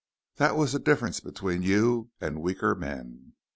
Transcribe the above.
That was the difference between you and weaker men.